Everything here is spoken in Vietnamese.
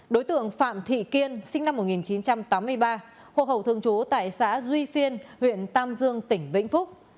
đối tượng phạm thị kiên sinh năm một nghìn chín trăm tám mươi ba hồ hậu thường chú tại xã duy phiên huyện tam dương tỉnh vĩnh phúc